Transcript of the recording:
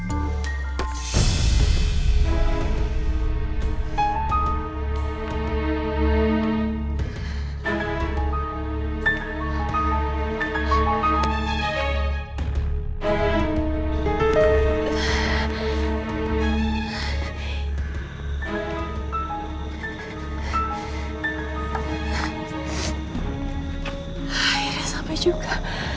akhirnya sampai juga